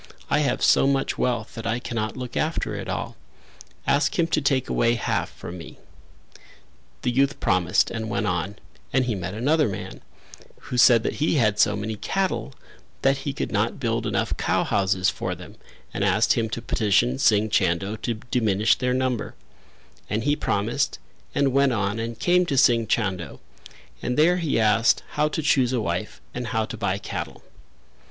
I have so much wealth that I cannot look after it all; ask him to take away half from me." The youth promised and went on and he met another man who said that he had so many cattle that he could not build enough cow houses for them and asked him to petition Singh Chando to diminish their number; and he promised, and went on and came to Singh Chando, and there he asked how to choose a wife and how to buy cattle.